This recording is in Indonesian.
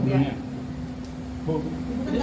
bu kan tadi disuruhkan